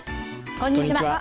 こんにちは。